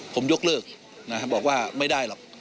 ผมยกเลิกบอกว่าไม่ได้หรอก